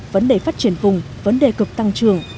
vấn đề phát triển vùng vấn đề cực tăng trưởng